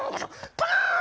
パカーン！